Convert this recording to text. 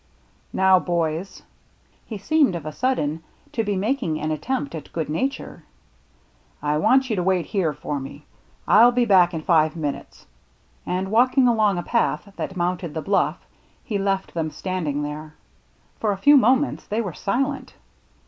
" Now, boys," — he seemed of a sudden to be making an attempt at good nature, — "I want you to wait here for me. FU be back in five minutes." And walking along a path that mounted the bluflf, he left them standing there. For a few moments they were silent.